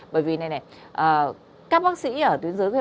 bởi vì các bác sĩ ở tuyến giới